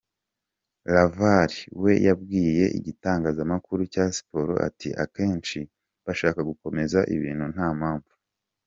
LaVar we yabwiye igitangazamakuru cya siporo ati “Akenshi bashaka gukomeza ibintu nta mpamvu.